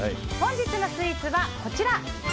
本日のスイーツはこちら。